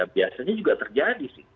biasanya juga terjadi